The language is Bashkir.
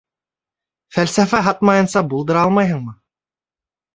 Фәлсәфә һатмайынса булдыра алмайһыңмы?